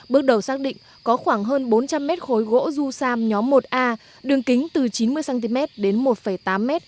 bước đầu xác định có khoảng hơn bốn trăm linh m khối gỗ du sam nhóm một a đường kính từ chín mươi cm đến một tám m